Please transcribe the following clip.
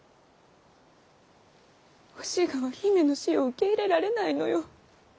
お志賀は姫の死を受け入れられないのよ。